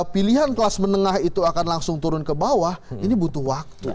pilihan kelas menengah itu akan langsung turun ke bawah ini butuh waktu